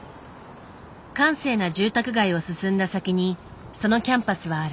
閑静な住宅街を進んだ先にそのキャンパスはある。